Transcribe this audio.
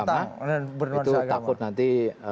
itu takut nanti